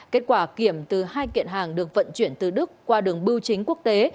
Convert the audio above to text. kết quả kiểm từ hai kiện hàng được vận chuyển từ đức qua đường bưu chính quốc tế